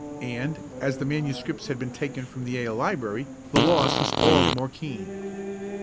And, as the manuscripts had been taken from the Yale library, the loss was all the more keen.